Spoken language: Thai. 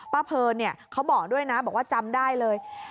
เพลินเขาบอกด้วยนะบอกว่าจำได้เลย